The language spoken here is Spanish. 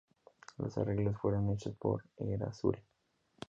Los arreglos fueron hechos por Erasure.